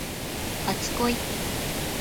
初恋